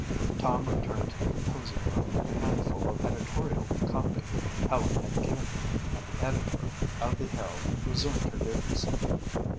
Tom returned to the composing room with the handful of editorial copy Helen had given him and the editor of the Herald resumed her duties.